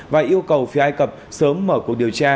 và yêu cầu phía ai cập sớm mở cuộc điều tra